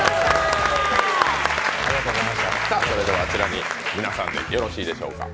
それでは、皆さんでよろしいでしょうか。